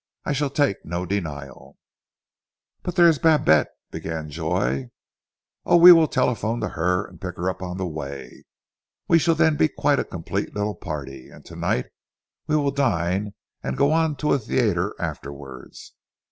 I shall take no denial." "But there is Babette " began Joy. "Oh, we will telephone to her, and pick her up on the way. We shall then be quite a complete little party, and tonight we will dine, and go on to a theatre afterwards.